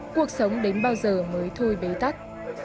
cuộc sống đến bao giờ mới thôi bế tắc